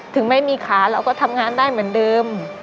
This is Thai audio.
ถึงไม่มีขาเราก็ทำงานได้เหมือนเดิม